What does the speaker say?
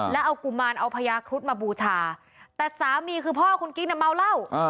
แล้วเอากุมารเอาพญาครุฑมาบูชาแต่สามีคือพ่อคุณกิ๊กน่ะเมาเหล้า